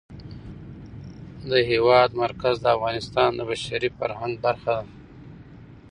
د هېواد مرکز د افغانستان د بشري فرهنګ برخه ده.